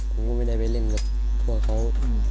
ผมก็ไม่ได้ไปเล่นกับพวกเขา